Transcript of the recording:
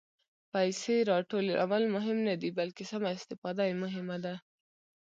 پېسې راټولول مهم نه دي، بلکې سمه استفاده یې مهمه ده.